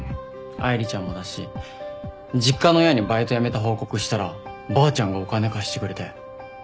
愛梨ちゃんもだし実家の親にバイト辞めた報告したらばあちゃんがお金貸してくれて。